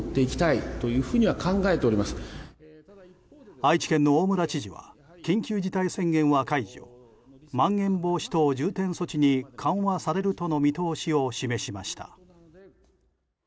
愛知県の大村知事は緊急事態宣言は解除まん延防止等重点措置に緩和されるとの見通しを示しました。